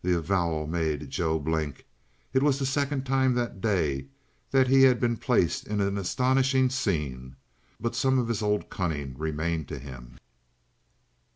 The avowal made Joe blink. It was the second time that day that he had been placed in an astonishing scene. But some of his old cunning remained to him.